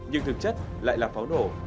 nhưng thực chất lại là pháo nổ